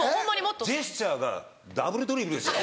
ジェスチャーがダブルドリブルでしたよ